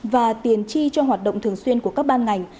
và tiền chi cho hoạt động thường xuyên của các ban ngành